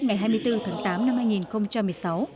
ngày hai mươi bốn tháng tám năm hai nghìn một mươi sáu